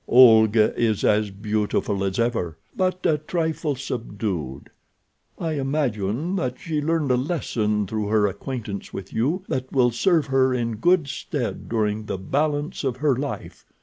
Olga is as beautiful as ever, but a trifle subdued. I imagine that she learned a lesson through her acquaintance with you that will serve her in good stead during the balance of her life.